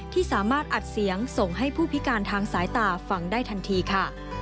ที่สามารถอัดเสียงส่งให้ผู้พิการทางสายตาฟังได้ทันทีค่ะ